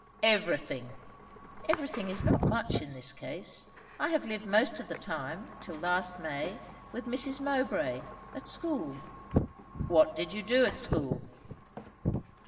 "Everything!" "Everything is not much, in this case. I have lived most of the time, till last May, with Mrs. Mowbray; at school." "What did you do at school?"